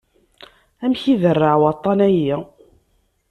Amek iderreε waṭṭan-ayi?